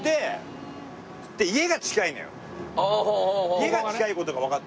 家が近い事がわかって。